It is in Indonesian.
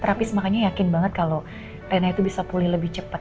terapis makanya yakin banget kalau rena itu bisa pulih lebih cepat